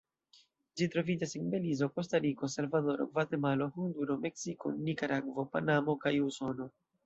Ĝi troviĝas en Belizo, Kostariko, Salvadoro, Gvatemalo, Honduro, Meksiko, Nikaragvo, Panamo kaj Usono.